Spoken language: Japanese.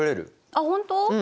あっ本当？